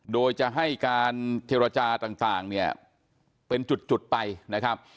โดยจะให้การเจรจาต่างเนี่ยเป็นจุดไปนะครับ